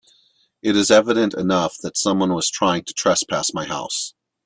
It is evident enough that someone was trying to trespass my house.